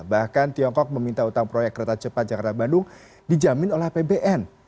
bahkan tiongkok meminta utang proyek kereta cepat jakarta bandung dijamin oleh apbn